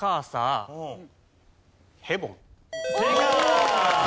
正解！